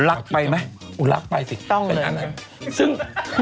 หลักไปไหมต้องเลยนะครับอุ๊ยหลักไปสิเป็นอันนั้นซึ่ง